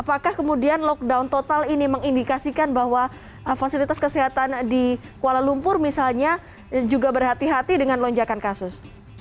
apakah kemudian lockdown total ini mengindikasikan bahwa fasilitas kesehatan di kuala lumpur misalnya juga berhati hati dengan lonjakan kasus